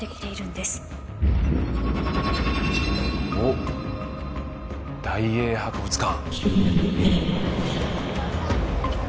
おっ大英博物館。